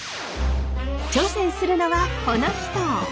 挑戦するのはこの人！